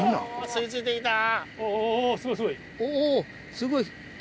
すごい。